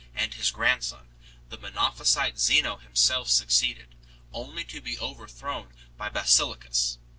and his grandson, the Monophysite Zeno himself succeeded, only to be overthrown by Basiliscus.